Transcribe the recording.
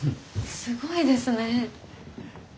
すごいですね。